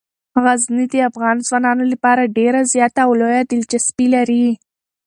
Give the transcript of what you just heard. غزني د افغان ځوانانو لپاره ډیره زیاته او لویه دلچسپي لري.